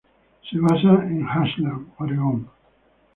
Se basa en Ashland, Oregón.